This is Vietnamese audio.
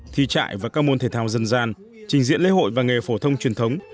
thi trại và các môn thể thao dân gian trình diễn lễ hội và nghề phổ thông truyền thống